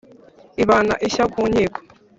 Ibana ishya ku nkiko